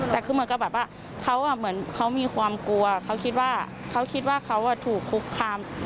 แต่แบบเขามีความกลัวเขาคิดว่าเขาถูกคุกคาม